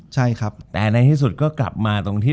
จบการโรงแรมจบการโรงแรม